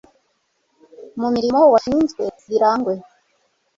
mu mirimo wazishinze zirangwe